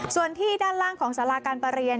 ส่วนที่ด้านล่างของสาราการประเรียน